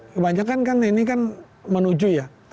kebanyakan kan ini kan menuju ya